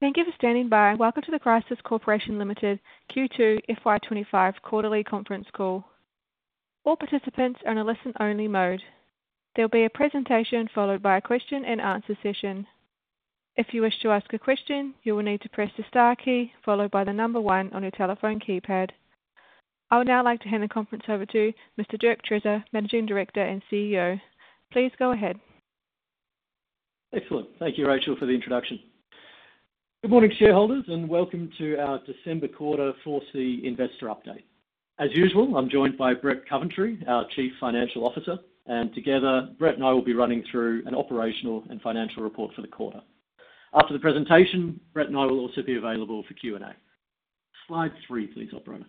Thank you for standing by. Welcome to the Chrysos Corporation Limited Q2 FY 2025 Quarterly conference call. All participants are in a listen-only mode. There'll be a presentation followed by a question-and-answer session. If you wish to ask a question, you will need to press the star key followed by the number one on your telephone keypad. I would now like to hand the conference over to Mr. Dirk Treasure, Managing Director and CEO. Please go ahead. Excellent. Thank you, Rachel, for the introduction. Good morning, shareholders, and welcome to our December Quarter FY24 Investor Update. As usual, I'm joined by Brett Coventry, our Chief Financial Officer, and together, Brett and I will be running through an operational and financial report for the quarter. After the presentation, Brett and I will also be available for Q&A. Slide three, please, operator.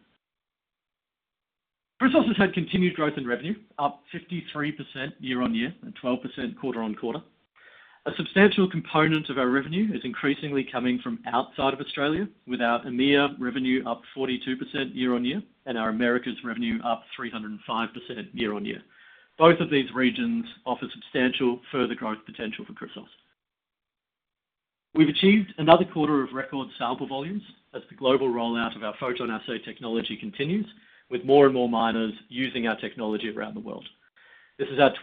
Chrysos has had continued growth in revenue, up 53% year-on-year and 12% quarter-on-quarter. A substantial component of our revenue is increasingly coming from outside of Australia, with our EMEA revenue up 42% year-on-year and our Americas revenue up 305% year-on-year. Both of these regions offer substantial further growth potential for Chrysos. We've achieved another quarter of record sample volumes as the global rollout of our PhotonAssay technology continues, with more and more miners using our technology around the world. This is our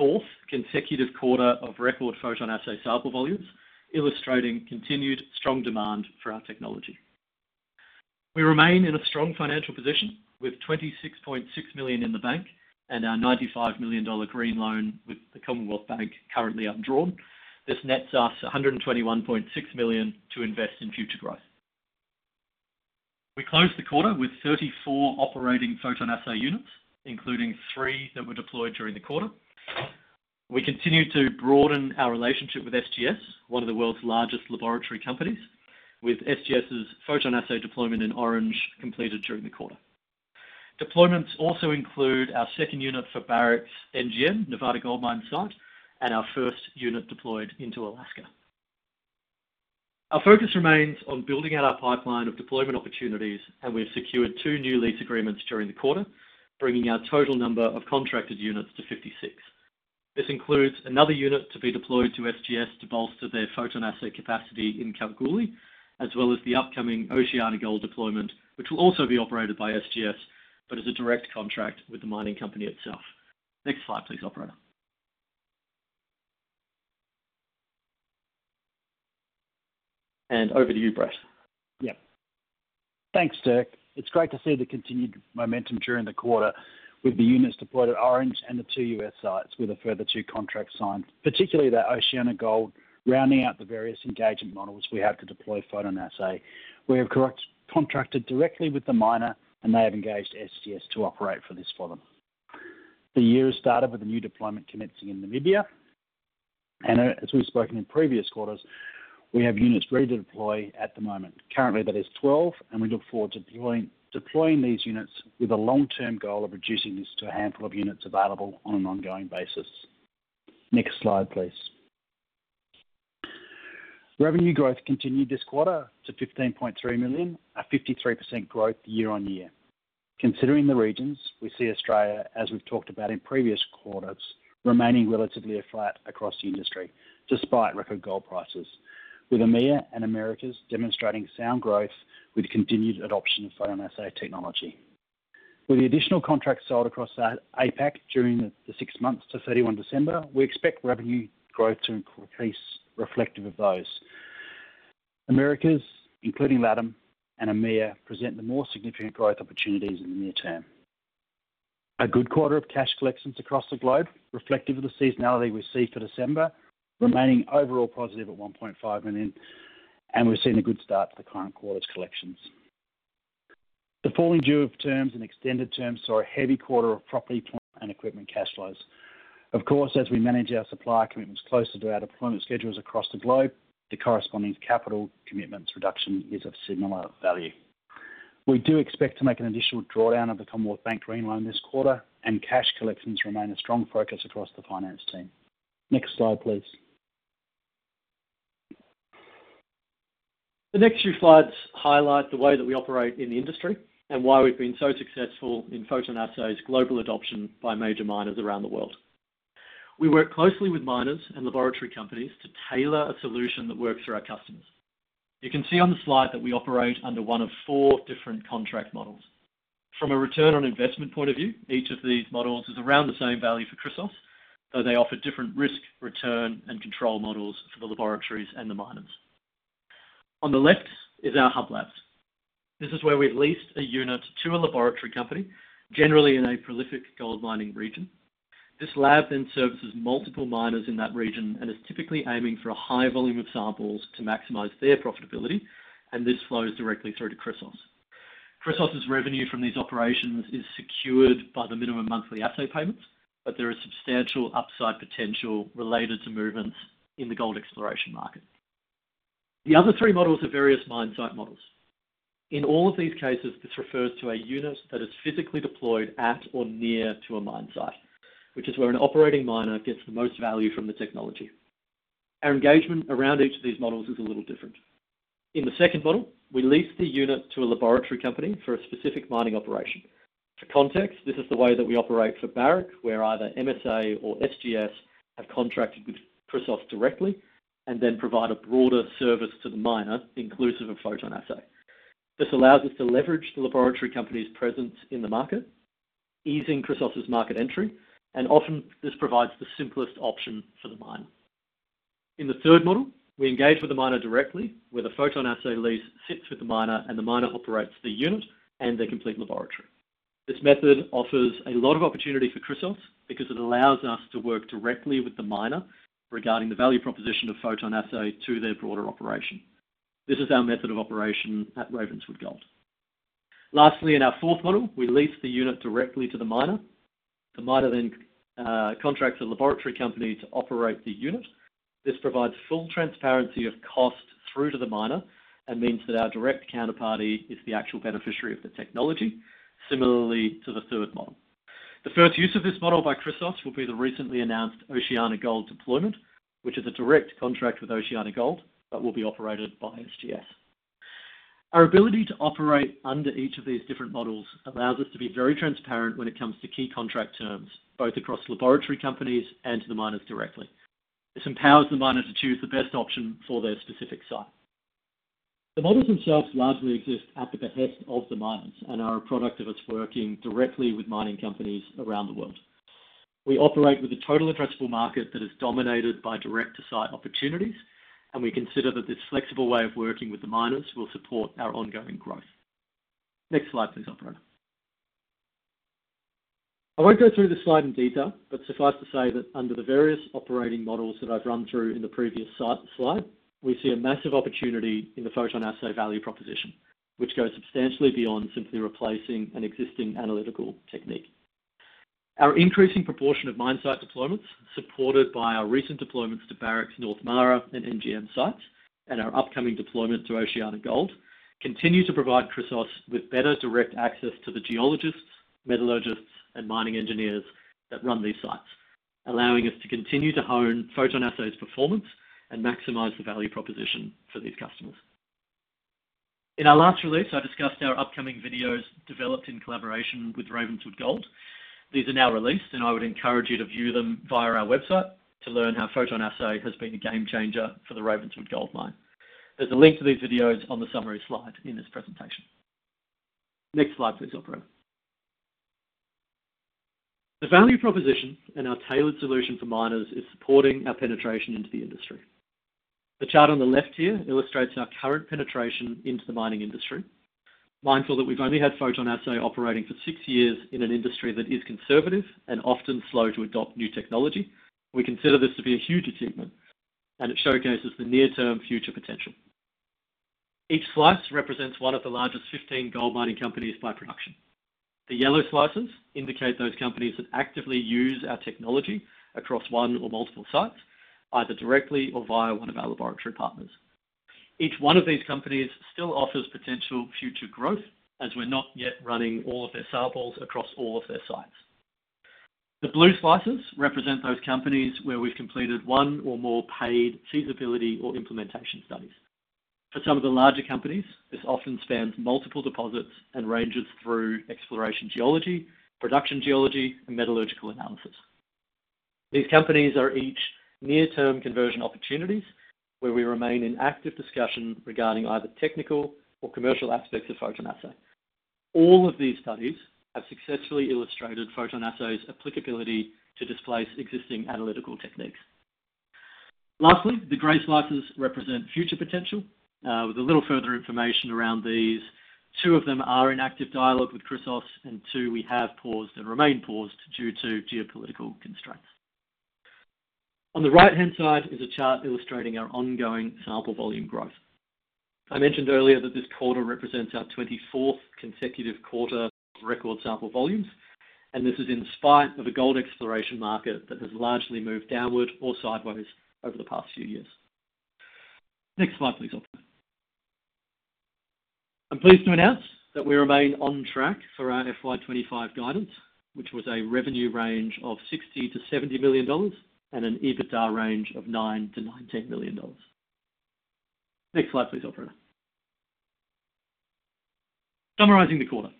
24th consecutive quarter of record PhotonAssay sample volumes, illustrating continued strong demand for our technology. We remain in a strong financial position with 26.6 million in the bank and our 95 million dollar green loan with the Commonwealth Bank currently undrawn. This nets us AUD 121.6 million to invest in future growth. We closed the quarter with 34 operating PhotonAssay units, including three that were deployed during the quarter. We continue to broaden our relationship with SGS, one of the world's largest laboratory companies, with SGS's PhotonAssay deployment in Orange completed during the quarter. Deployments also include our second unit for Barrick's NGM, Nevada Gold Mines site, and our first unit deployed into Alaska. Our focus remains on building out our pipeline of deployment opportunities, and we've secured two new lease agreements during the quarter, bringing our total number of contracted units to 56. This includes another unit to be deployed to SGS to bolster their PhotonAssay capacity in Kalgoorlie, as well as the upcoming OceanaGold deployment, which will also be operated by SGS but as a direct contract with the mining company itself. Next slide, please, operator. And over to you, Brett. Yeah. Thanks, Dirk. It's great to see the continued momentum during the quarter with the units deployed at Orange and the two U.S. sites with a further two contracts signed, particularly that OceanaGold rounding out the various engagement models we have to deploy PhotonAssay. We have contracted directly with the miner, and they have engaged SGS to operate for this for them. The year has started with a new deployment commencing in Namibia, and as we've spoken in previous quarters, we have units ready to deploy at the moment. Currently, that is 12, and we look forward to deploying these units with a long-term goal of reducing this to a handful of units available on an ongoing basis. Next slide, please. Revenue growth continued this quarter to 15.3 million, a 53% growth year-on-year. Considering the regions, we see Australia, as we've talked about in previous quarters, remaining relatively flat across the industry despite record gold prices, with EMEA and Americas demonstrating sound growth with continued adoption of PhotonAssay technology. With the additional contracts sold across APAC during the six months to 31 December, we expect revenue growth to increase reflective of those. Americas, including LATAM and EMEA, present the more significant growth opportunities in the near term. A good quarter of cash collections across the globe, reflective of the seasonality we see for December, remaining overall positive at 1.5 million, and we've seen a good start to the current quarter's collections. The falling due of terms and extended terms saw a heavy quarter of property and equipment cash flows. Of course, as we manage our supply commitments closer to our deployment schedules across the globe, the corresponding capital commitments reduction is of similar value. We do expect to make an additional drawdown of the Commonwealth Bank Green Loan this quarter, and cash collections remain a strong focus across the finance team. Next slide, please. The next few slides highlight the way that we operate in the industry and why we've been so successful in PhotonAssay's global adoption by major miners around the world. We work closely with miners and laboratory companies to tailor a solution that works for our customers. You can see on the slide that we operate under one of four different contract models. From a return on investment point of view, each of these models is around the same value for Chrysos, though they offer different risk, return, and control models for the laboratories and the miners. On the left is our hub labs. This is where we lease a unit to a laboratory company, generally in a prolific gold mining region. This lab then services multiple miners in that region and is typically aiming for a high volume of samples to maximize their profitability, and this flows directly through to Chrysos. Chrysos's revenue from these operations is secured by the minimum monthly assay payments, but there is substantial upside potential related to movements in the gold exploration market. The other three models are various mine site models. In all of these cases, this refers to a unit that is physically deployed at or near to a mine site, which is where an operating miner gets the most value from the technology. Our engagement around each of these models is a little different. In the second model, we lease the unit to a laboratory company for a specific mining operation. For context, this is the way that we operate for Barrick, where either MSA or SGS have contracted with Chrysos directly and then provide a broader service to the miner, inclusive of PhotonAssay. This allows us to leverage the laboratory company's presence in the market, easing Chrysos's market entry, and often this provides the simplest option for the miner. In the third model, we engage with the miner directly, where the PhotonAssay lease sits with the miner, and the miner operates the unit and their complete laboratory. This method offers a lot of opportunity for Chrysos because it allows us to work directly with the miner regarding the value proposition of PhotonAssay to their broader operation. This is our method of operation at Ravenswood Gold. Lastly, in our fourth model, we lease the unit directly to the miner. The miner then contracts a laboratory company to operate the unit. This provides full transparency of cost through to the miner and means that our direct counterparty is the actual beneficiary of the technology, similarly to the third model. The first use of this model by Chrysos will be the recently announced OceanaGold deployment, which is a direct contract with OceanaGold but will be operated by SGS. Our ability to operate under each of these different models allows us to be very transparent when it comes to key contract terms, both across laboratory companies and to the miners directly. This empowers the miner to choose the best option for their specific site. The models themselves largely exist at the behest of the miners and are a product of us working directly with mining companies around the world. We operate with a total addressable market that is dominated by direct-to-site opportunities, and we consider that this flexible way of working with the miners will support our ongoing growth. Next slide, please, operator. I won't go through the slide in detail, but suffice to say that under the various operating models that I've run through in the previous slide, we see a massive opportunity in the PhotonAssay value proposition, which goes substantially beyond simply replacing an existing analytical technique. Our increasing proportion of mine site deployments, supported by our recent deployments to Barrick's North Mara and NGM sites, and our upcoming deployment to OceanaGold, continue to provide Chrysos with better direct access to the geologists, metallurgists, and mining engineers that run these sites, allowing us to continue to hone PhotonAssay's performance and maximize the value proposition for these customers. In our last release, I discussed our upcoming videos developed in collaboration with Ravenswood Gold. These are now released, and I would encourage you to view them via our website to learn how PhotonAssay has been a game changer for the Ravenswood Gold mine. There's a link to these videos on the summary slide in this presentation. Next slide, please, operator. The value proposition and our tailored solution for miners is supporting our penetration into the industry. The chart on the left here illustrates our current penetration into the mining industry. Mindful that we've only had PhotonAssay operating for six years in an industry that is conservative and often slow to adopt new technology, we consider this to be a huge achievement, and it showcases the near-term future potential. Each slice represents one of the largest 15 gold mining companies by production. The yellow slices indicate those companies that actively use our technology across one or multiple sites, either directly or via one of our laboratory partners. Each one of these companies still offers potential future growth as we're not yet running all of their samples across all of their sites. The blue slices represent those companies where we've completed one or more paid feasibility or implementation studies. For some of the larger companies, this often spans multiple deposits and ranges through exploration geology, production geology, and metallurgical analysis. These companies are each near-term conversion opportunities where we remain in active discussion regarding either technical or commercial aspects of PhotonAssay. All of these studies have successfully illustrated PhotonAssay's applicability to displace existing analytical techniques. Lastly, the gray slices represent future potential. With a little further information around these, two of them are in active dialogue with Chrysos, and two we have paused and remain paused due to geopolitical constraints. On the right-hand side is a chart illustrating our ongoing sample volume growth. I mentioned earlier that this quarter represents our 24th consecutive quarter of record sample volumes, and this is in spite of a gold exploration market that has largely moved downward or sideways over the past few years. Next slide, please, operator. I'm pleased to announce that we remain on track for our FY 2025 guidance, which was a revenue range of 60 million-70 million dollars and an EBITDA range of 9 million-19 million dollars. Next slide, please, operator. Summarizing the quarter,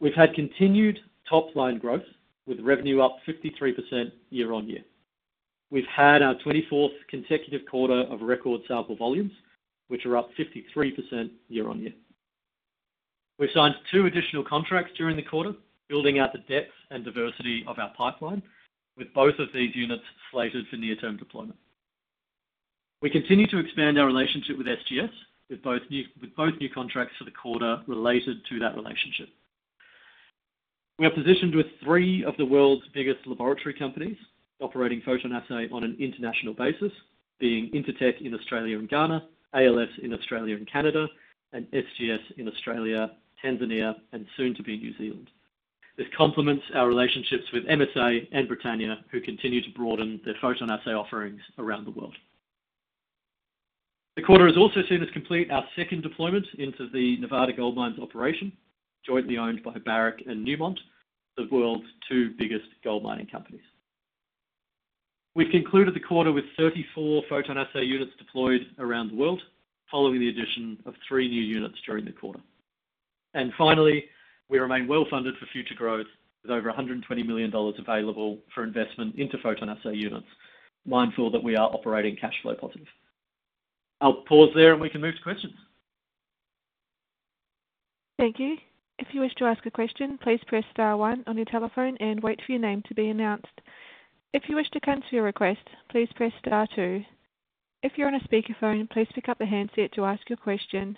we've had continued top-line growth with revenue up 53% year-over-year. We've had our 24th consecutive quarter of record sample volumes, which are up 53% year-over-year. We've signed two additional contracts during the quarter, building out the depth and diversity of our pipeline, with both of these units slated for near-term deployment. We continue to expand our relationship with SGS, with both new contracts for the quarter related to that relationship. We are positioned with three of the world's biggest laboratory companies operating PhotonAssay on an international basis, being Intertek in Australia and Ghana, ALS in Australia and Canada, and SGS in Australia, Tanzania, and soon to be New Zealand. This complements our relationships with MSA and Britannia, who continue to broaden their PhotonAssay offerings around the world. The quarter also saw us complete our second deployment into the Nevada Gold Mines operation, jointly owned by Barrick and Newmont, the world's two biggest gold mining companies. We've concluded the quarter with 34 PhotonAssay units deployed around the world, following the addition of three new units during the quarter, and finally, we remain well funded for future growth, with over 120 million dollars available for investment into PhotonAssay units, mindful that we are operating cash flow positive. I'll pause there, and we can move to questions. Thank you. If you wish to ask a question, please press star one on your telephone and wait for your name to be announced. If you wish to cancel your request, please press star two. If you're on a speakerphone, please pick up the handset to ask your question.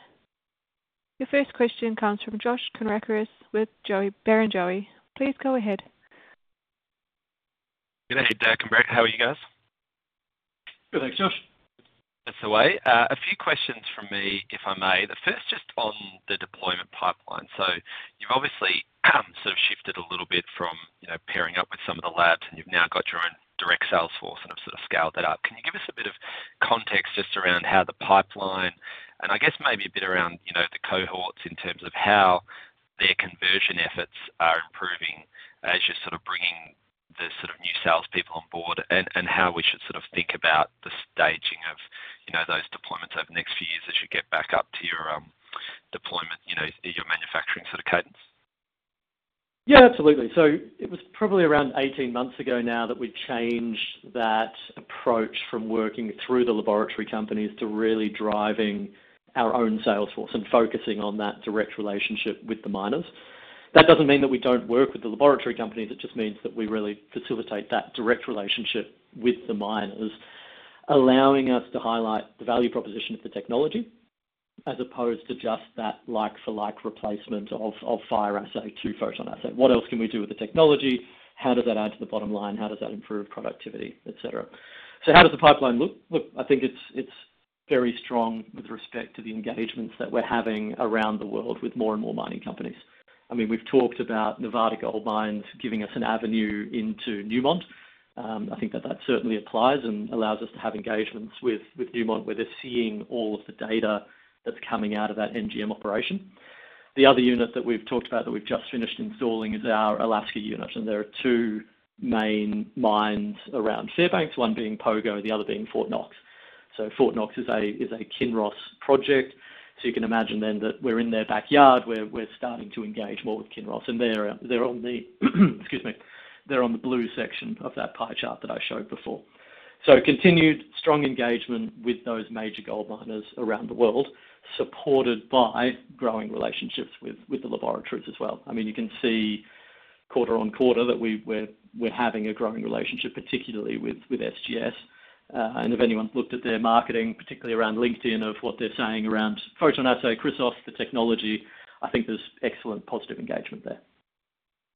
Your first question comes from Josh Kannourakis with Barrenjoey. Please go ahead. Good day, Dirk and Brett Coventry. How are you guys? Good, thanks, Josh. That's the way. A few questions from me, if I may. The first, just on the deployment pipeline. So you've obviously sort of shifted a little bit from pairing up with some of the labs, and you've now got your own direct sales force, and have sort of scaled that up. Can you give us a bit of context just around how the pipeline, and I guess maybe a bit around the cohorts in terms of how their conversion efforts are improving as you're sort of bringing the sort of new salespeople on board, and how we should sort of think about the staging of those deployments over the next few years as you get back up to your deployment, your manufacturing sort of cadence? Yeah, absolutely. So it was probably around 18 months ago now that we've changed that approach from working through the laboratory companies to really driving our own sales force and focusing on that direct relationship with the miners. That doesn't mean that we don't work with the laboratory companies. It just means that we really facilitate that direct relationship with the miners, allowing us to highlight the value proposition of the technology as opposed to just that like-for-like replacement of Fire Assay to PhotonAssay. What else can we do with the technology? How does that add to the bottom line? How does that improve productivity, etc.? So how does the pipeline look? Look, I think it's very strong with respect to the engagements that we're having around the world with more and more mining companies. I mean, we've talked about Nevada Gold Mines giving us an avenue into Newmont. I think that that certainly applies and allows us to have engagements with Newmont where they're seeing all of the data that's coming out of that NGM operation. The other unit that we've talked about that we've just finished installing is our Alaska unit. And there are two main mines around Fairbanks, one being Pogo and the other being Fort Knox. So Fort Knox is a Kinross project. So you can imagine then that we're in their backyard. We're starting to engage more with Kinross. And they're on the, excuse me, they're on the blue section of that pie chart that I showed before. So continued strong engagement with those major gold miners around the world, supported by growing relationships with the laboratories as well. I mean, you can see quarter on quarter that we're having a growing relationship, particularly with SGS. If anyone's looked at their marketing, particularly around LinkedIn, of what they're saying around PhotonAssay, Chrysos, the technology, I think there's excellent positive engagement there.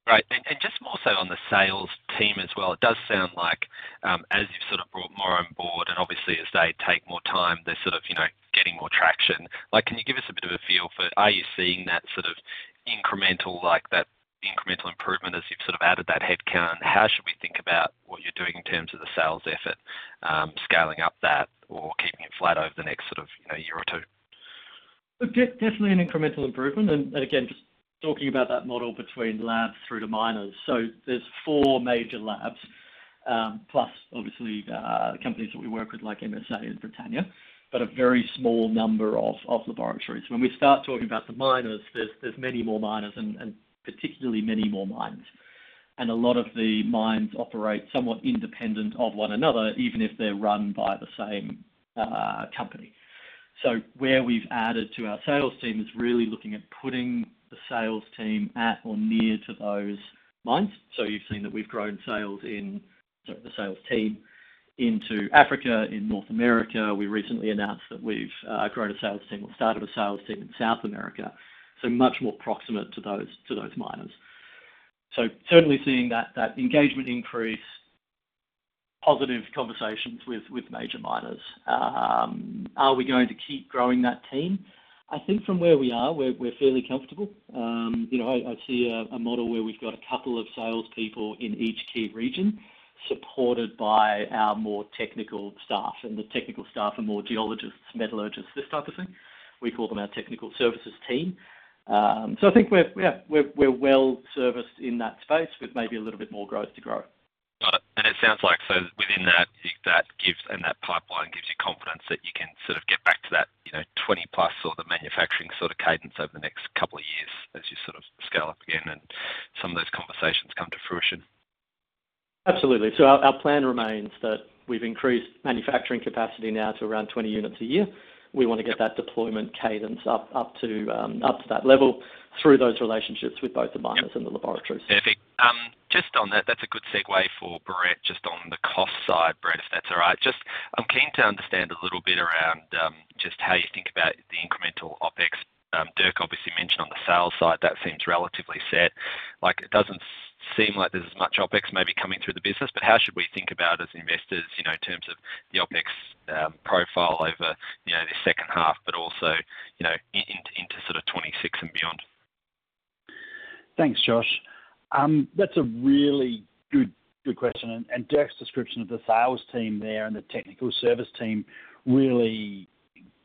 Right. And just more so on the sales team as well. It does sound like, as you've sort of brought more on board and obviously, as they take more time, they're sort of getting more traction. Can you give us a bit of a feel for, are you seeing that sort of incremental improvement as you've sort of added that headcount? And how should we think about what you're doing in terms of the sales effort, scaling up that or keeping it flat over the next sort of year or two? Definitely an incremental improvement. And again, just talking about that model between labs through to miners. There are four major labs, plus obviously companies that we work with like MSA and Britannia, but a very small number of laboratories. When we start talking about the miners, there are many more miners and particularly many more mines. A lot of the mines operate somewhat independent of one another, even if they are run by the same company. We have added to our sales team, really looking at putting the sales team at or near to those mines. You have seen that we have grown the sales team into Africa, in North America. We recently announced that we have grown a sales team or started a sales team in South America. It is much more proximate to those miners. We are certainly seeing that engagement increase, positive conversations with major miners. Are we going to keep growing that team? I think from where we are, we're fairly comfortable. I see a model where we've got a couple of salespeople in each key region supported by our more technical staff. And the technical staff are more geologists, metallurgists, this type of thing. We call them our technical services team. So I think we're well serviced in that space with maybe a little bit more growth to grow. Got it. And it sounds like so within that, that gives, and that pipeline gives you confidence that you can sort of get back to that 20-plus sort of manufacturing sort of cadence over the next couple of years as you sort of scale up again and some of those conversations come to fruition. Absolutely. So our plan remains that we've increased manufacturing capacity now to around 20 units a year. We want to get that deployment cadence up to that level through those relationships with both the miners and the laboratories. Perfect. Just on that, that's a good segue for Brett, just on the cost side, Brett, if that's all right. Just I'm keen to understand a little bit around just how you think about the incremental OpEx. Dirk obviously mentioned on the sales side, that seems relatively set. It doesn't seem like there's as much OpEx maybe coming through the business, but how should we think about it as investors in terms of the OpEx profile over the second half, but also into sort of 2026 and beyond? Thanks, Josh. That's a really good question, and Dirk's description of the sales team there and the technical service team really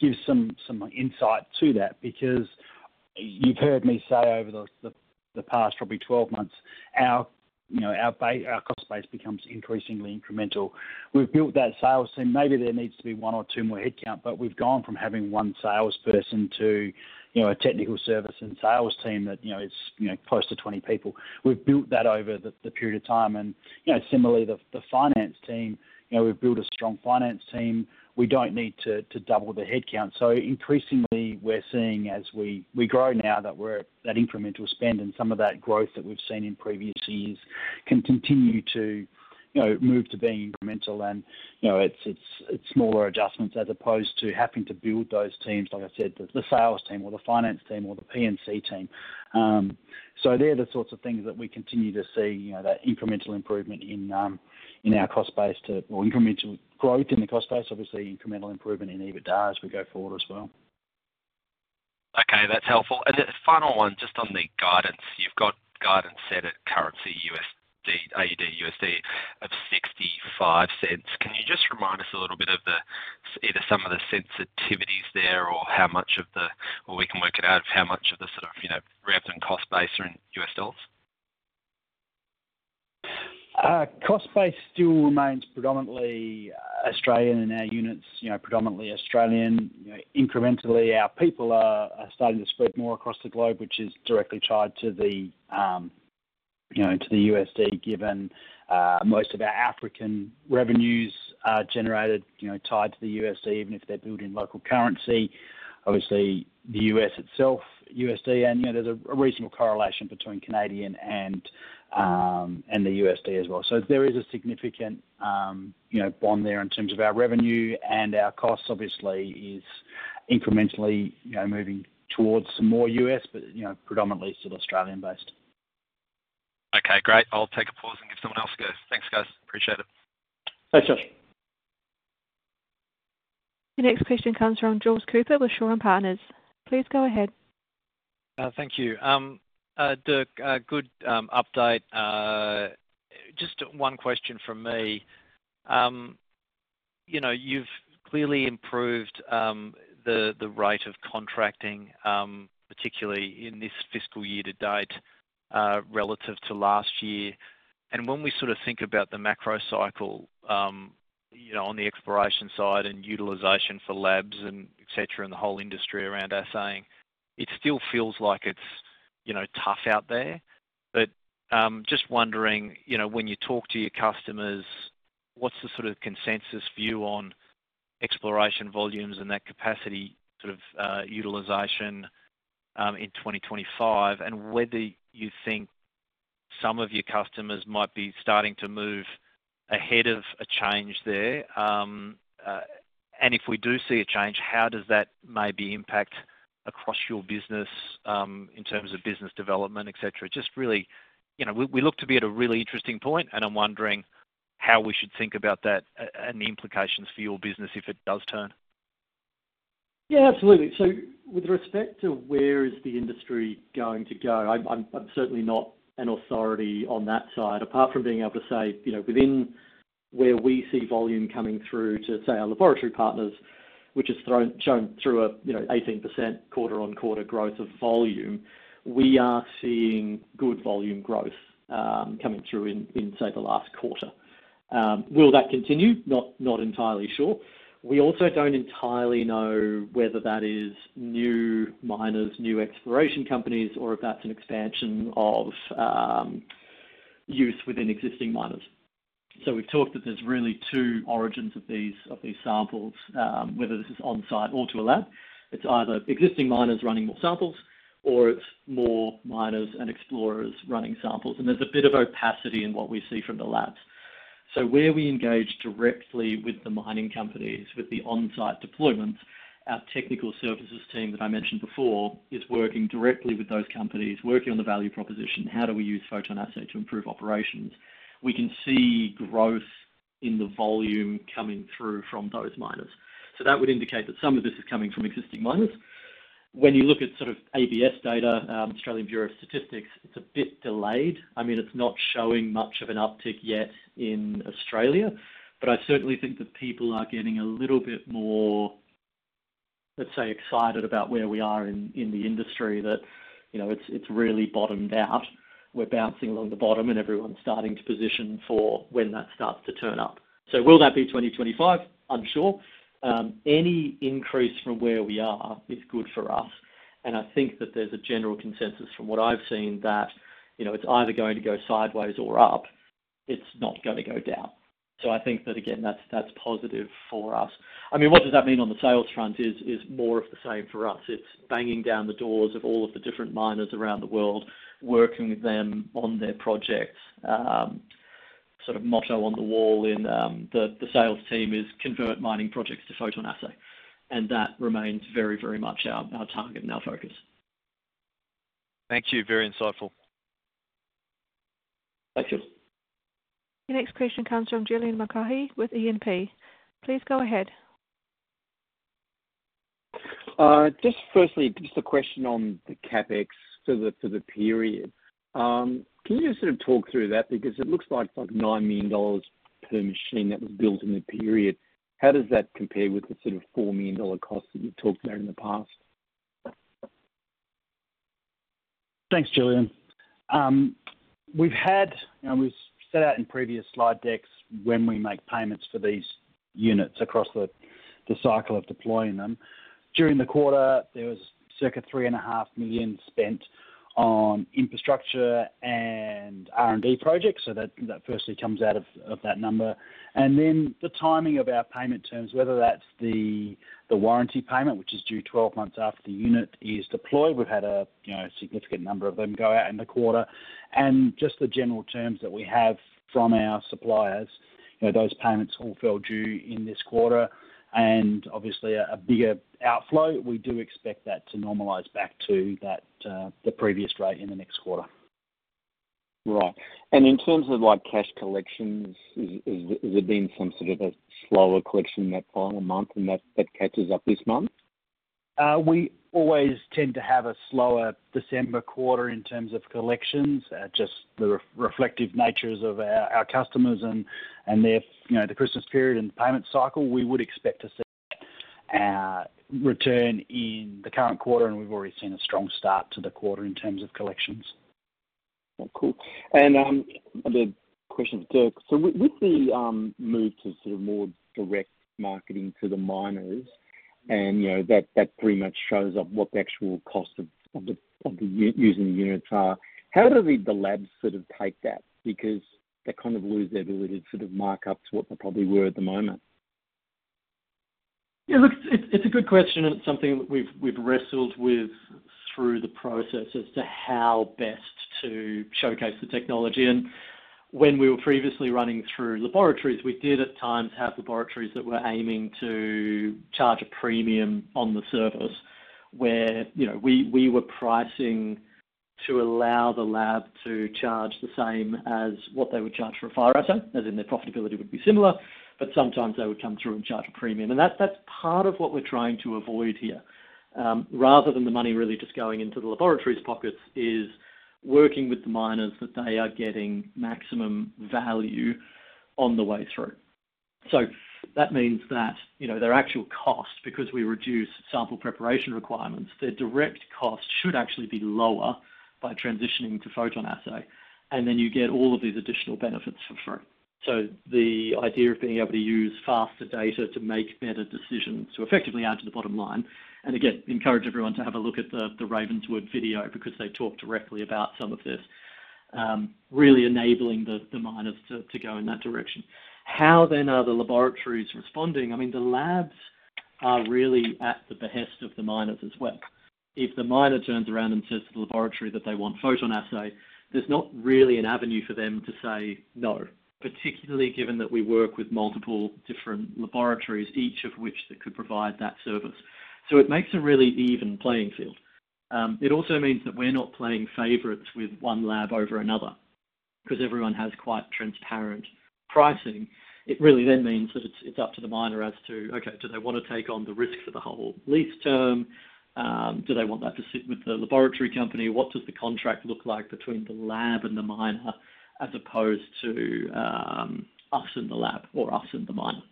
gives some insight to that because you've heard me say over the past probably 12 months, our cost base becomes increasingly incremental. We've built that sales team. Maybe there needs to be one or two more headcount, but we've gone from having one salesperson to a technical service and sales team that is close to 20 people. We've built that over the period of time, and similarly, the finance team, we've built a strong finance team. We don't need to double the headcount, so increasingly, we're seeing as we grow now that incremental spend and some of that growth that we've seen in previous years can continue to move to being incremental. And it's smaller adjustments as opposed to having to build those teams, like I said, the sales team or the finance team or the P&C team. So they're the sorts of things that we continue to see that incremental improvement in our cost base too or incremental growth in the cost base, obviously incremental improvement in EBITDA as we go forward as well. Okay. That's helpful. And the final one, just on the guidance, you've got guidance set at currency AUD/USD of $0.65. Can you just remind us a little bit of either some of the sensitivities there or we can work it out of how much of the sort of revenue cost base are in US dollars? Cost base still remains predominantly Australian in our units, predominantly Australian. Incrementally, our people are starting to spread more across the globe, which is directly tied to the USD, given most of our African revenues are generated tied to the USD, even if they're built in local currency. Obviously, the U.S. itself, USD, and there's a reasonable correlation between Canadian and the USD as well. So there is a significant bond there in terms of our revenue, and our cost, obviously, is incrementally moving towards some more U.S., but predominantly still Australian-based. Okay. Great. I'll take a pause and give someone else a go. Thanks, guys. Appreciate it. Thanks, Josh. The next question comes from George Cooper with Shaw and Partners. Please go ahead. Thank you. Dirk, good update. Just one question from me. You've clearly improved the rate of contracting, particularly in this fiscal year to date, relative to last year, and when we sort of think about the macro cycle on the exploration side and utilization for labs and etc. and the whole industry around assaying, it still feels like it's tough out there, but just wondering, when you talk to your customers, what's the sort of consensus view on exploration volumes and that capacity sort of utilization in 2025, and whether you think some of your customers might be starting to move ahead of a change there, and if we do see a change, how does that maybe impact across your business in terms of business development, etc.? Just really, we look to be at a really interesting point, and I'm wondering how we should think about that and the implications for your business if it does turn? Yeah, absolutely. So with respect to where is the industry going to go, I'm certainly not an authority on that side. Apart from being able to say within where we see volume coming through to, say, our laboratory partners, which has shown through an 18% quarter-on-quarter growth of volume, we are seeing good volume growth coming through in, say, the last quarter. Will that continue? Not entirely sure. We also don't entirely know whether that is new miners, new exploration companies, or if that's an expansion of use within existing miners. So we've talked that there's really two origins of these samples, whether this is on-site or to a lab. It's either existing miners running more samples, or it's more miners and explorers running samples. And there's a bit of opacity in what we see from the labs. So where we engage directly with the mining companies, with the on-site deployments, our technical services team that I mentioned before is working directly with those companies, working on the value proposition, how do we use PhotonAssay to improve operations. We can see growth in the volume coming through from those miners. So that would indicate that some of this is coming from existing miners. When you look at sort of ABS data, Australian Bureau of Statistics, it's a bit delayed. I mean, it's not showing much of an uptick yet in Australia, but I certainly think that people are getting a little bit more, let's say, excited about where we are in the industry, that it's really bottomed out. We're bouncing along the bottom, and everyone's starting to position for when that starts to turn up. So will that be 2025? Unsure. Any increase from where we are is good for us. And I think that there's a general consensus from what I've seen that it's either going to go sideways or up. It's not going to go down. So I think that, again, that's positive for us. I mean, what does that mean on the sales front is more of the same for us. It's banging down the doors of all of the different miners around the world, working with them on their projects. Sort of motto on the wall in the sales team is, "Convert mining projects to PhotonAssay." And that remains very, very much our target and our focus. Thank you. Very insightful. Thank you. The next question comes from Julian McCarthy with E&P. Please go ahead. Just firstly, just a question on the CapEx for the period. Can you just sort of talk through that? Because it looks like $9 million per machine that was built in the period. How does that compare with the sort of $4 million costs that you've talked about in the past? Thanks, Julian. We've set out in previous slide decks when we make payments for these units across the cycle of deploying them. During the quarter, there was circa 3.5 million spent on infrastructure and R&D projects. So that firstly comes out of that number. And then the timing of our payment terms, whether that's the warranty payment, which is due 12 months after the unit is deployed. We've had a significant number of them go out in the quarter. And just the general terms that we have from our suppliers, those payments all fell due in this quarter. And obviously, a bigger outflow, we do expect that to normalize back to the previous rate in the next quarter. Right. And in terms of cash collections, has there been some sort of a slower collection in that final month, and that catches up this month? We always tend to have a slower December quarter in terms of collections. Just the reflective natures of our customers and the Christmas period and payment cycle, we would expect to see a return in the current quarter, and we've already seen a strong start to the quarter in terms of collections. Cool. And the question, Dirk, so with the move to sort of more direct marketing to the miners, and that pretty much shows up what the actual cost of using the units are, how do the labs sort of take that? Because they kind of lose their ability to sort of mark up to what they probably were at the moment. Yeah. Look, it's a good question, and it's something that we've wrestled with through the process as to how best to showcase the technology, and when we were previously running through laboratories, we did at times have laboratories that were aiming to charge a premium on the service, where we were pricing to allow the lab to charge the same as what they would charge for a Fire Assay, as in their profitability would be similar, but sometimes they would come through and charge a premium, and that's part of what we're trying to avoid here. Rather than the money really just going into the laboratories' pockets, is working with the miners that they are getting maximum value on the way through. So that means that their actual cost, because we reduce sample preparation requirements, their direct cost should actually be lower by transitioning to PhotonAssay. And then you get all of these additional benefits for free. So the idea of being able to use faster data to make better decisions to effectively add to the bottom line. And again, encourage everyone to have a look at the Ravenswood video because they talk directly about some of this, really enabling the miners to go in that direction. How then are the laboratories responding? I mean, the labs are really at the behest of the miners as well. If the miner turns around and says to the laboratory that they want PhotonAssay, there's not really an avenue for them to say no, particularly given that we work with multiple different laboratories, each of which could provide that service. So it makes a really even playing field. It also means that we're not playing favorites with one lab over another because everyone has quite transparent pricing. It really then means that it's up to the miner as to, okay, do they want to take on the risk for the whole lease term? Do they want that to sit with the laboratory company? What does the contract look like between the lab and the miner as opposed to us in the lab or us in the miner?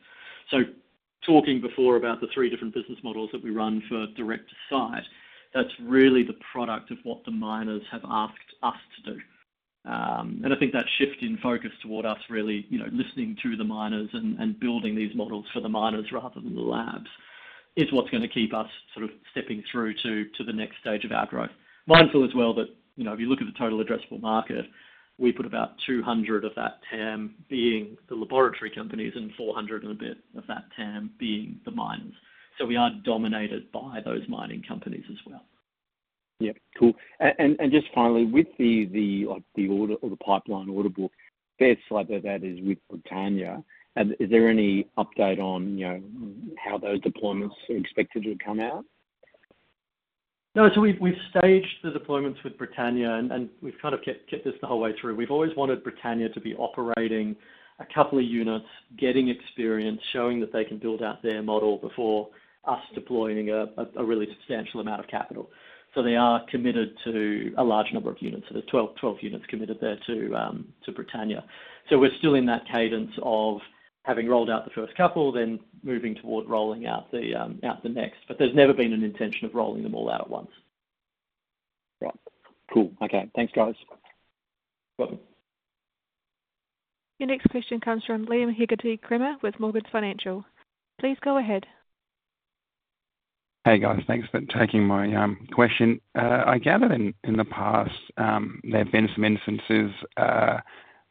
So talking before about the three different business models that we run for direct to site, that's really the product of what the miners have asked us to do. And I think that shift in focus toward us really listening to the miners and building these models for the miners rather than the labs is what's going to keep us sort of stepping through to the next stage of our growth. Mindful as well that if you look at the Total Addressable Market, we put about 200 of that TAM being the laboratory companies and 400 and a bit of that TAM being the miners. So we are dominated by those mining companies as well. Yeah. Cool. And just finally, with the order or the pipeline order book, best I can tell that is with Britannia, is there any update on how those deployments are expected to come out? No. So we've staged the deployments with Britannia, and we've kind of kept this the whole way through. We've always wanted Britannia to be operating a couple of units, getting experience, showing that they can build out their model before us deploying a really substantial amount of capital. So they are committed to a large number of units. So there's 12 units committed there to Britannia. So we're still in that cadence of having rolled out the first couple, then moving toward rolling out the next. But there's never been an intention of rolling them all out at once. Right. Cool. Okay. Thanks, guys. Welcome. Your next question comes from Liam Higgerty from Morgans Financial. Please go ahead. Hey, guys. Thanks for taking my question. I gather in the past, there have been some instances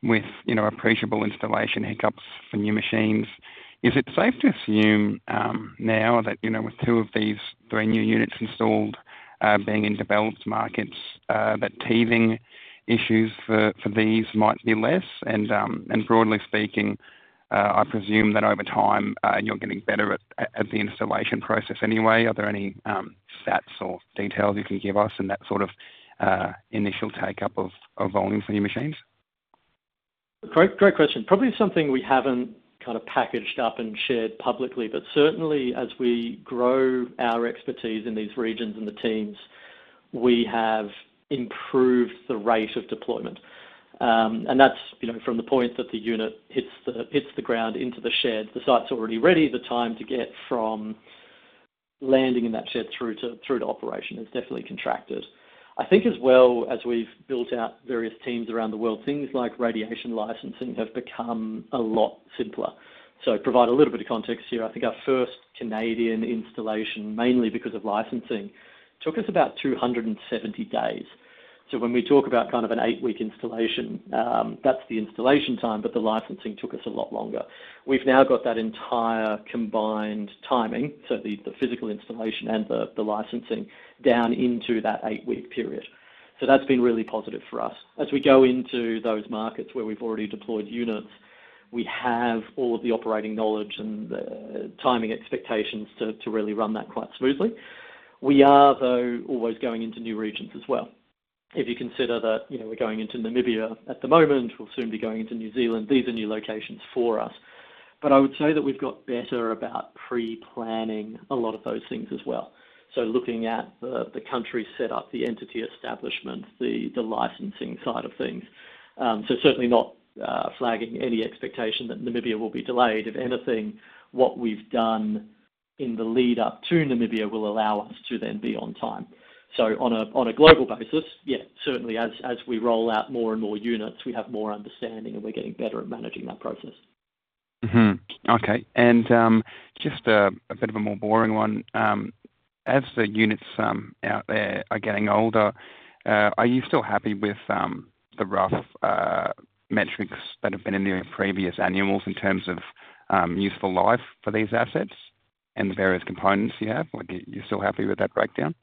with appreciable installation hiccups for new machines. Is it safe to assume now that with two of these brand new units installed being in developed markets, that teething issues for these might be less? And broadly speaking, I presume that over time, you're getting better at the installation process anyway. Are there any stats or details you can give us in that sort of initial take-up of volume for new machines? Great question. Probably something we haven't kind of packaged up and shared publicly, but certainly, as we grow our expertise in these regions and the teams, we have improved the rate of deployment, and that's from the point that the unit hits the ground into the shed. The site's already ready. The time to get from landing in that shed through to operation has definitely contracted. I think as well, as we've built out various teams around the world, things like radiation licensing have become a lot simpler. So to provide a little bit of context here, I think our first Canadian installation, mainly because of licensing, took us about 270 days. So when we talk about kind of an eight-week installation, that's the installation time, but the licensing took us a lot longer. We've now got that entire combined timing, so the physical installation and the licensing, down into that eight-week period. So that's been really positive for us. As we go into those markets where we've already deployed units, we have all of the operating knowledge and timing expectations to really run that quite smoothly. We are, though, always going into new regions as well. If you consider that we're going into Namibia at the moment, we'll soon be going into New Zealand. These are new locations for us. But I would say that we've got better about pre-planning a lot of those things as well. So looking at the country setup, the entity establishment, the licensing side of things. So certainly not flagging any expectation that Namibia will be delayed. If anything, what we've done in the lead-up to Namibia will allow us to then be on time. So on a global basis, yeah, certainly, as we roll out more and more units, we have more understanding, and we're getting better at managing that process. Okay. And just a bit of a more boring one. As the units out there are getting older, are you still happy with the rough metrics that have been in the previous annuals in terms of useful life for these assets and the various components you have? Are you still happy with that breakdown?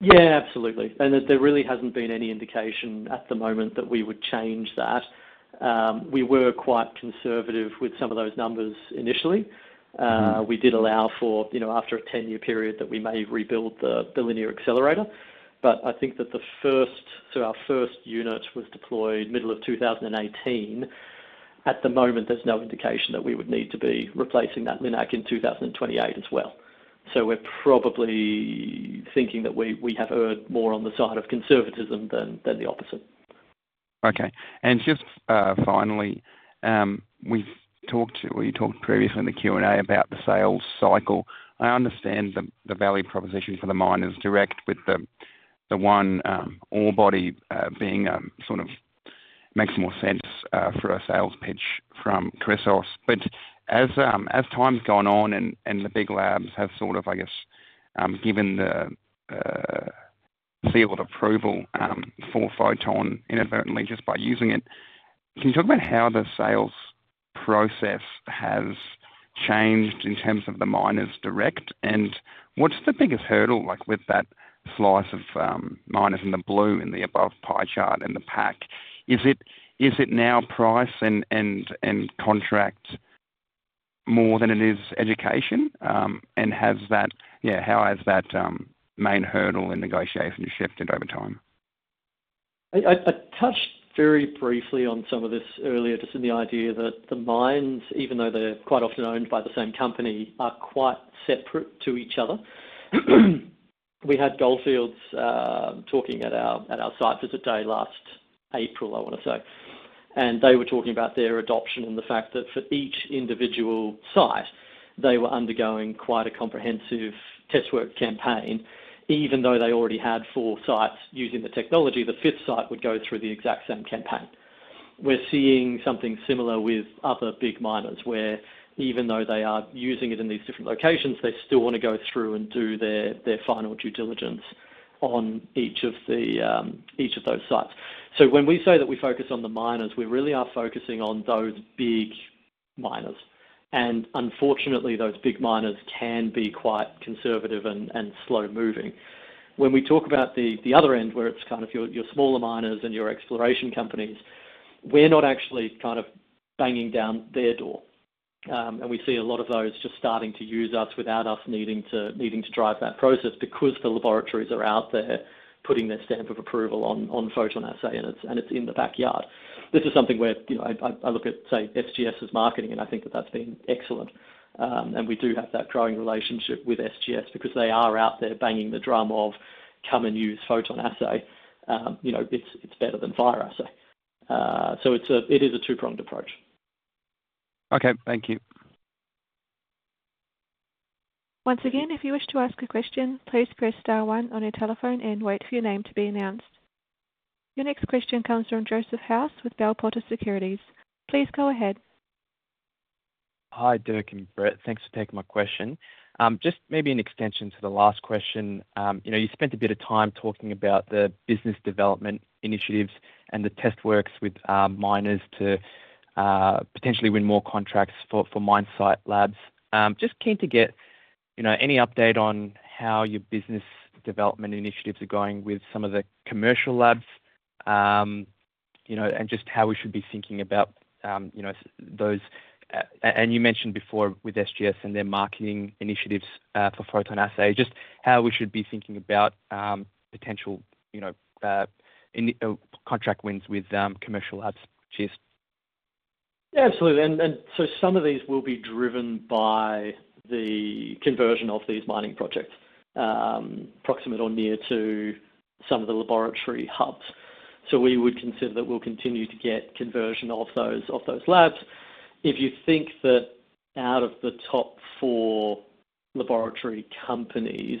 Yeah, absolutely. And there really hasn't been any indication at the moment that we would change that. We were quite conservative with some of those numbers initially. We did allow for, after a 10-year period, that we may rebuild the linear accelerator. But I think that the first, so our first unit was deployed middle of 2018. At the moment, there's no indication that we would need to be replacing that Linac in 2028 as well. So we're probably thinking that we have erred more on the side of conservatism than the opposite. Okay. And just finally, we've talked to, or you talked previously in the Q&A about the sales cycle. I understand the value proposition for the miners direct with the one all-body being sort of makes more sense for a sales pitch from Chrysos. But as time's gone on and the big labs have sort of, I guess, given the field approval for PhotonAssay inadvertently just by using it, can you talk about how the sales process has changed in terms of the miners direct? And what's the biggest hurdle with that slice of miners in the blue in the above pie chart and the pack? Is it now price and contract more than it is education? And how has that main hurdle in negotiation shifted over time? I touched very briefly on some of this earlier, just in the idea that the mines, even though they're quite often owned by the same company, are quite separate to each other. We had Gold Fields talking at our site visit day last April, I want to say, and they were talking about their adoption and the fact that for each individual site, they were undergoing quite a comprehensive test work campaign. Even though they already had four sites using the technology, the fifth site would go through the exact same campaign. We're seeing something similar with other big miners where, even though they are using it in these different locations, they still want to go through and do their final due diligence on each of those sites. So when we say that we focus on the miners, we really are focusing on those big miners. Unfortunately, those big miners can be quite conservative and slow-moving. When we talk about the other end, where it's kind of your smaller miners and your exploration companies, we're not actually kind of banging down their door. And we see a lot of those just starting to use us without us needing to drive that process because the laboratories are out there putting their stamp of approval on PhotonAssay, and it's in the backyard. This is something where I look at, say, SGS's marketing, and I think that that's been excellent. And we do have that growing relationship with SGS because they are out there banging the drum of, "Come and use PhotonAssay. It's better than Fire Assay." It is a two-pronged approach. Okay. Thank you. Once again, if you wish to ask a question, please press star one on your telephone and wait for your name to be announced. Your next question comes from Joseph House with Bell Potter Securities. Please go ahead. Hi, Dirk and Brett. Thanks for taking my question. Just maybe an extension to the last question. You spent a bit of time talking about the business development initiatives and the test works with miners to potentially win more contracts for mine site labs. Just keen to get any update on how your business development initiatives are going with some of the commercial labs and just how we should be thinking about those. And you mentioned before with SGS and their marketing initiatives for PhotonAssay, just how we should be thinking about potential contract wins with commercial labs. Yeah, absolutely. And so some of these will be driven by the conversion of these mining projects proximate or near to some of the laboratory hubs. So we would consider that we'll continue to get conversion of those labs. If you think that out of the top four laboratory companies,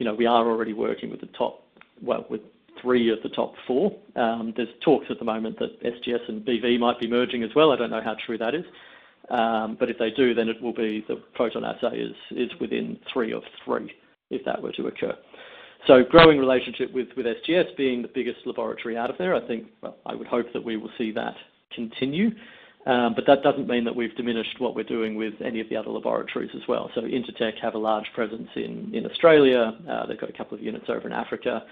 we are already working with the top, well, with three of the top four. There's talks at the moment that SGS and BV might be merging as well. I don't know how true that is. But if they do, then it will be the PhotonAssay is within three of three if that were to occur. So growing relationship with SGS being the biggest laboratory out of there, I think, well, I would hope that we will see that continue. But that doesn't mean that we've diminished what we're doing with any of the other laboratories as well. So Intertek have a large presence in Australia. They've got a couple of units over in Africa.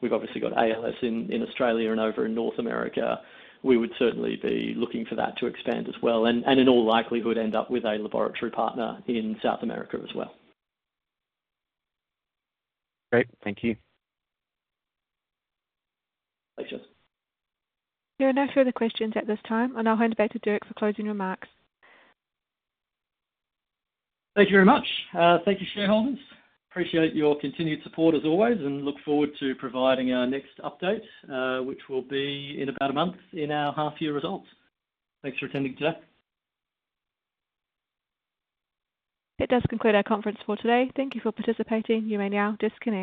We've obviously got ALS in Australia and over in North America. We would certainly be looking for that to expand as well. And in all likelihood, end up with a laboratory partner in South America as well. Great. Thank you. Thanks, guys. There are no further questions at this time. And I'll hand it back to Dirk for closing remarks. Thank you very much. Thank you, shareholders. Appreciate your continued support as always and look forward to providing our next update, which will be in about a month in our half-year results. Thanks for attending today. It does conclude our conference for today. Thank you for participating. You may now disconnect.